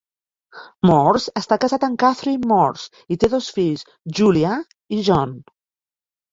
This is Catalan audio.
Morse està casat amb Kathryn Morse i té dos fills, Julia i John.